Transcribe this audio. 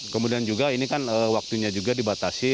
kemudian juga ini kan waktunya juga dibatasi